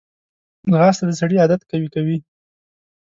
ځغاسته د سړي عادت قوي کوي